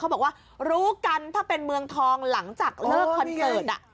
บอกว่ารู้กันถ้าเป็นเมืองทองหลังจากเลิกคอนเสิร์ต